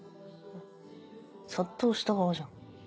殺到した側じゃん。